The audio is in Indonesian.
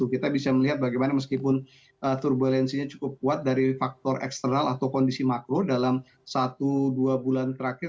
kita bisa melihat bagaimana meskipun turbulensinya cukup kuat dari faktor eksternal atau kondisi makro dalam satu dua bulan terakhir